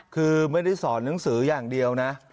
คือไม่ได้สอนหนังสืออย่างเดียวนะ